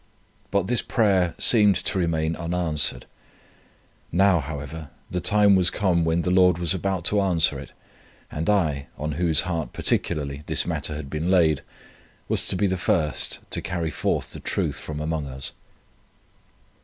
But this prayer seemed to remain unanswered. Now, however, the time was come when the Lord was about to answer it, and I, on whose heart particularly this matter had been laid, was to be the first to carry forth the truth from among us.